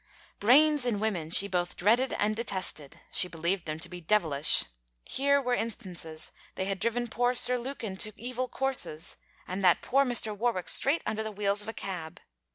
Brains in women she both dreaded and detested; she believed them to be devilish. Here were instances: they had driven poor Sir Lukin to evil courses, and that poor Mr. Warwick straight under the wheels of a cab.